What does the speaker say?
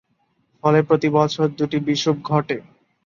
ফলে প্রতিবছর দুটি বিষুব ঘটে।